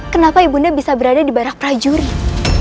kenapa ibu nia bisa berada di barak prajurit